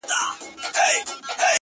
ما مي د هسک وطن له هسکو غرو غرور راوړئ ـ